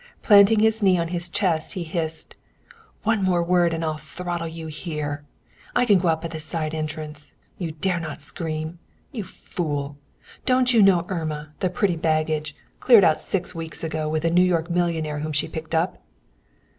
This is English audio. Planting his knee on his chest, he hissed, "One more word and I'll throttle you here! I can go out by the side entrance! You dare not scream! You fool! Don't you know Irma, the pretty baggage, cleared out six weeks ago with a New York millionaire whom she picked up?"